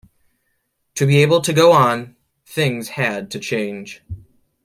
To be able to go on, things had to change.